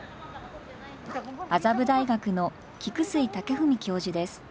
麻布大学の菊水健史教授です。